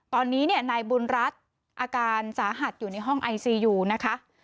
ตอนนี้เนี่ยนายบุญรัฐอาการสาหัสอยู่ในห้องไอซียูนะคะ